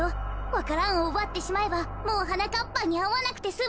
わか蘭をうばってしまえばもうはなかっぱんにあわなくてすむ。